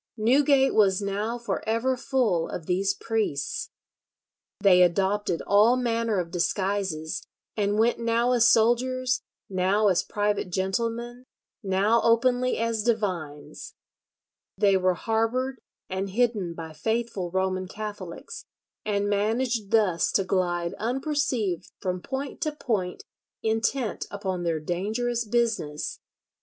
Newgate was now for ever full of these priests. They adopted all manner of disguises, and went now as soldiers, now as private gentlemen, now openly as divines. They were harboured and hidden by faithful Roman Catholics, and managed thus to glide unperceived from point to point intent upon their dangerous business.